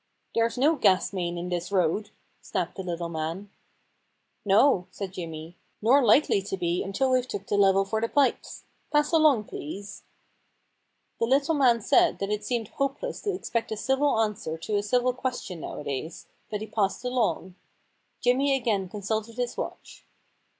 * There's no gas main in this road,' snapped the little man. * No,' said Jimmy. * Nor likely to be until we've took the level for the pipes. Pass along, please.' The little man said that it seemed hopeless to expect a civil answer to a civil question nowadays, but he passed along. Jimmy again consulted his watch.